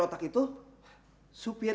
nanti aku simpen